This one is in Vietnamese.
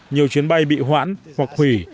nhiều chuyến bay bị hoãn hoặc hủy